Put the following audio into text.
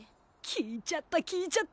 聞いちゃった聞いちゃった。